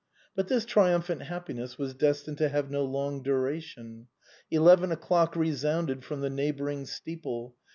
But this triumphant happiness was des tined to have no long duration. Eleven o'clock resounded from the neighboring steeple.